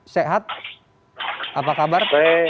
sehat apa kabar